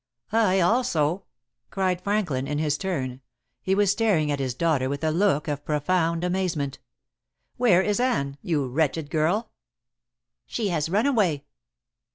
"I also," cried Franklin, in his turn. He was staring at his daughter with a look of profound amazement. "Where is Anne, you wretched girl?" "She has run away."